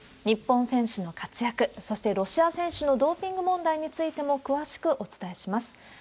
日本選手の活躍、そしてロシア選手のドーピング問題についても詳しくお伝えします。